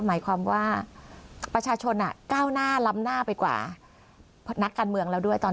หมายความว่าประชาชนเก้าหน้าล้ำหน้าไปกว่านักการเมืองเราด้วย